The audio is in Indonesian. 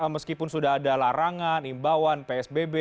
meskipun sudah ada larangan imbauan psbb